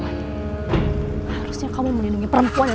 harusnya kamu melindungi perempuan